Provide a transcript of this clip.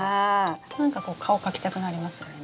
なんかこう顔描きたくなりますよね。